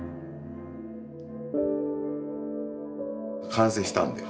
完成したんだよ。